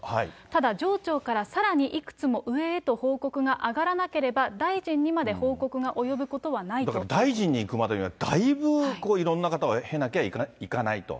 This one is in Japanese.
ただ、上長からさらにいくつも上へと報告が上がらなければ、だから大臣に行くまでには、だいぶいろんな方を経なきゃいけないと。